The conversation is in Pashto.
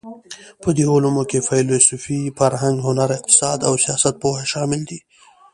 په دې علومو کې فېلسوفي، فرهنګ، هنر، اقتصاد او سیاستپوهه شامل دي.